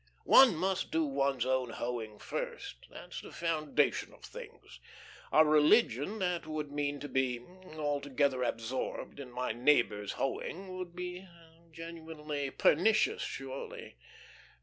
One must do one's own hoeing first. That's the foundation of things. A religion that would mean to be 'altogether absorbed' in my neighbour's hoeing would be genuinely pernicious, surely.